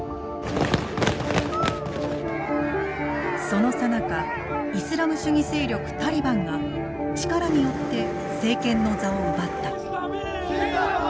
そのさなかイスラム主義勢力タリバンが力によって政権の座を奪った。